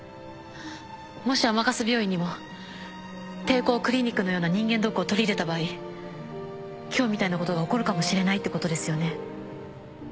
もし甘春病院にも帝光クリニックのような人間ドックを取り入れた場合今日みたいなことが起こるかもしれないってことですよね？